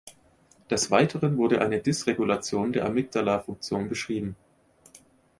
Des Weiteren wurde eine Dysregulation der Amygdala-Funktion beschrieben.